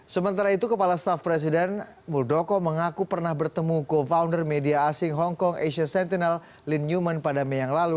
sementara itu kepala staff presiden muldoko mengaku pernah bertemu go founder media asing hong kong asia sentinel lynn newman pada mei yang lalu